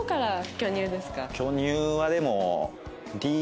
巨乳はでも。